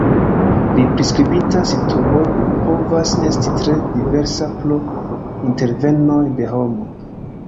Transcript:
La priskribita situo povas esti tre diversa pro intervenoj de homo.